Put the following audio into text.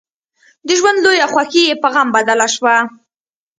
د ژوند لويه خوښي يې په غم بدله شوه.